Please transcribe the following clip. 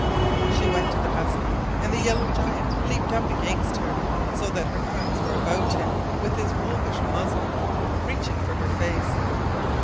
She went to the husky, and the yellow giant leaped up against her, so that her arms were about him, with his wolfish muzzle reaching for her face.